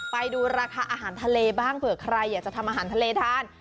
ไปดูราคาอาหารทะเลบ้างเผื่อใครอยากจะทำอาหารทะเลทาน